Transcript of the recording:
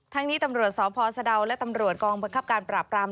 นี้ตำรวจสพสะดาวและตำรวจกองบังคับการปราบราม